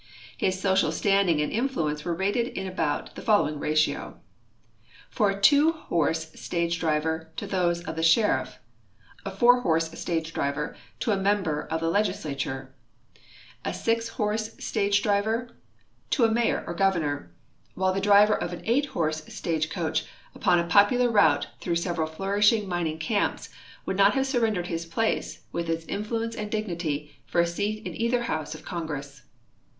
His social standing and influence were rated in about the following ratio: For a two horse stage driver to those of the sheriff ; a four horse stage driver to a member of the legislature; a six horse stage driver to a mayor or governor CALIFORNIA 319 while the driver of an eight horse stagecoach upon a popular route through several flourishing mining camps Avould not have surrendered his place, Avith its influence and dignity, for a seat in either house of Congress.